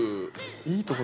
いいとこ